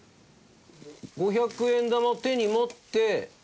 ５００円玉を手に持って。